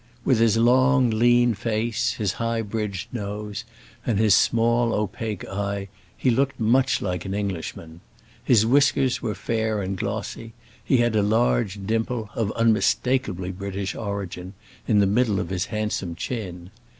With his long, lean face, his high bridged nose and his small, opaque eye he looked much like an Englishman. His whiskers were fair and glossy, and he had a large dimple, of unmistakably British origin, in the middle of his handsome chin.